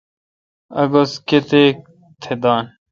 اک گز کتیک تہ دان